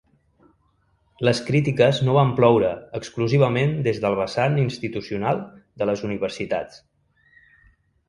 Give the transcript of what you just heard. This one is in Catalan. Les crítiques no van ploure exclusivament des del vessant institucional de les universitats.